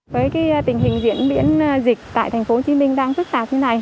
với tình hình diễn biến dịch tại thành phố hồ chí minh đang phức tạp như này